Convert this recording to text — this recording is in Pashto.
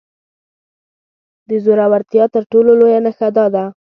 د زورورتيا تر ټولو لويه نښه دا ده.